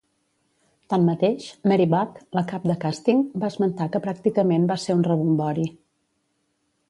Tanmateix, Mary Buck, la cap de càsting, va esmentar que pràcticament va ser un rebombori.